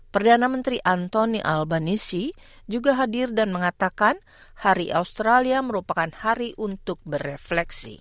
perdana menteri antoni albanisi juga hadir dan mengatakan hari australia merupakan hari untuk berefleksi